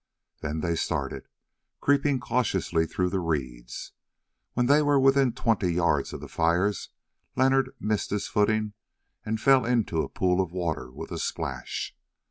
Then they started, creeping cautiously through the reeds. When they were within twenty yards of the fires, Leonard missed his footing and fell into a pool of water with a splash.